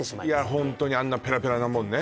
ホントにあんなペラペラなもんね